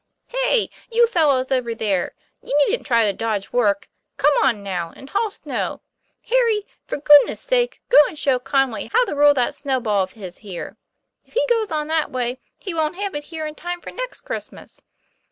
"TTEY! you fellows over there; you needn't try . 1 to dodge work ; come on, now, and haul snow. Harry, for goodness' sake, go and show Conway how to roll that snowball of his here. If he goes on that way he wont have it here in time for next Christmas.